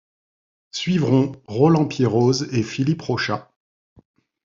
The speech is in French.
Suivront Roland Pierroz et Philippe Rochat.